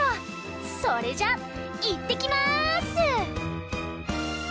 それじゃいってきます！